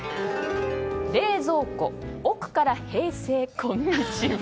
「冷蔵庫奥から平成こんにちは」。